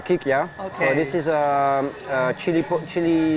ini adalah minyak chili yang saya buat sendiri